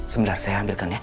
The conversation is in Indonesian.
sebentar saya ambilkan ya